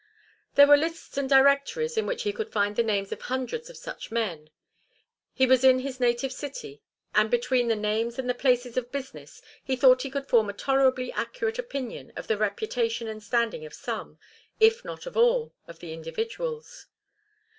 There were lists and directories in which he could find the names of hundreds of such men. He was in his native city, and between the names and the places of business he thought he could form a tolerably accurate opinion of the reputation and standing of some, if not of all, of the individuals.